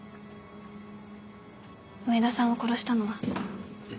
上田さんを殺したのは。